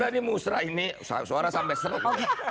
kita ini musrah ini suara sampai seruk